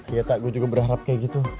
ya tak gue juga berharap kayak gitu